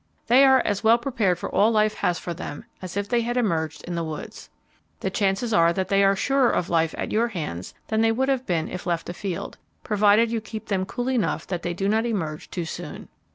They are as well prepared for all life has for them as if they had emerged in the woods. The chances are that they are surer of life at your hands than they would have been if left afield, provided you keep them cool enough that they do not emerge too soon.